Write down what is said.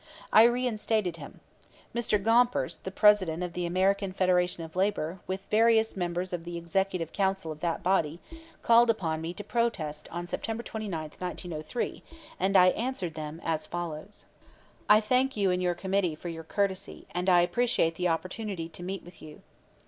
I reinstated him. Mr. Gompers, the President of the American Federation of Labor, with various members of the executive council of that body, called upon me to protest on September 29, 1903, and I answered them as follows: "I thank you and your committee for your courtesy, and I appreciate the opportunity to meet with you.